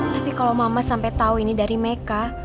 tapi kalau mama sampai tahu ini dari mereka